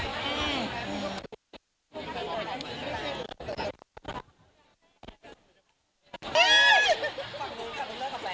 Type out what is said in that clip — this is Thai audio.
ฟังโดยก่อนไม่เลิกกับแฟน